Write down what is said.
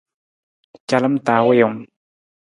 Calam ta wiiwung.